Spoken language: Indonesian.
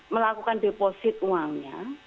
melakukan deposit uangnya